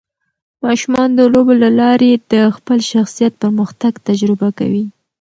ماشومان د لوبو له لارې د خپل شخصیت پرمختګ تجربه کوي.